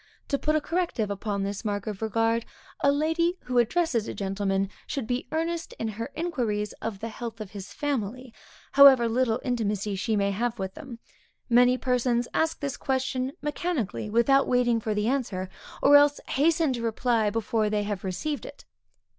To put a corrective upon this mark of regard, a lady who addresses a gentleman, should be earnest in her inquiries of the health of his family, however little intimacy she may have with them. Many persons ask this question mechanically, without waiting for the answer, or else hasten to reply, before they have received it.